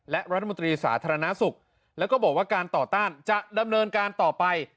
และรัฐมนตรีสาธารณสุขแล้วก็บอกว่าการต่อต้านจะดำเนินการต่อไป